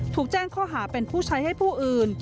ถูกแจ้งข้อหาเป็นผู้ใช้ให้ผู้อื่น